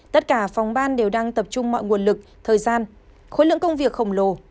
tất cả phòng ban đều đang tập trung mọi nguồn lực thời gian khối lượng công việc khổng lồ